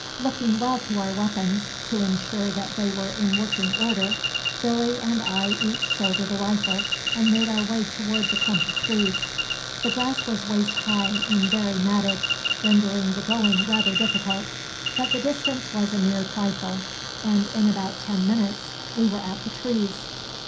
Looking well to our weapons, to ensure that they were in working order, Billy and I each shouldered a rifle and made our way toward the clump of trees. The grass was waist high and very matted, rendering the going rather difficult, but the distance was a mere trifle, and in about ten minutes we were at the trees.